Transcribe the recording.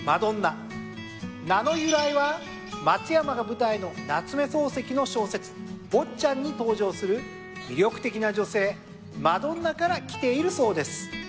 名の由来は松山が舞台の夏目漱石の小説『坊っちゃん』に登場する魅力的な女性マドンナからきているそうです。